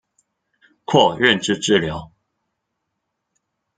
括认知治疗。